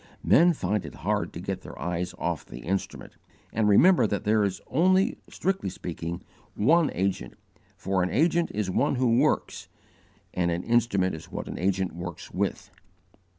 Men find it hard to get their eyes off the instrument, and remember that there is only, strictly speaking, one AGENT, for an agent is one who works, and an instrument is what _the agent works with.